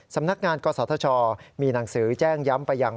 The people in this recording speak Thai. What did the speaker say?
สำนักงานกศธชมีหนังสือแจ้งย้ำไปยัง